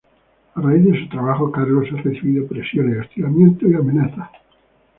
A raíz de su trabajo, Carlos ha recibido presiones, hostigamientos y amenazas.